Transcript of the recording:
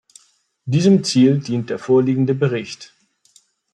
Diesem Ziel dient der vorliegende Bericht.